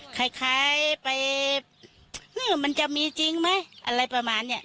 คล้ายไปมันจะมีจริงไหมอะไรประมาณเนี้ย